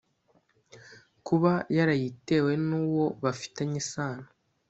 , kuba yarayitewe n’uwo bafitanye isano